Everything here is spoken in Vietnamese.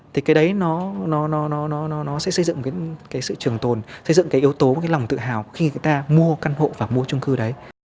thì cái đấy nó sẽ xây dựng sự trường tồn xây dựng yếu tố lòng tự hào khi người ta mua căn hộ và mua chung cư đấy